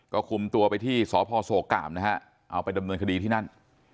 ก็คุมตัวไปที่สพโศกกามนะฮะเอาไปดำเนินคดีที่นั่น